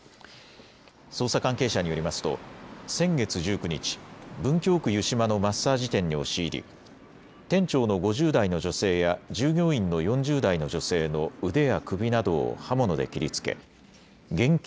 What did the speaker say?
捜査関係者によりますと先月１９日、文京区湯島のマッサージ店に押し入り店長の５０代の女性や従業員の４０代の女性の腕や首などを刃物で切りつけ現金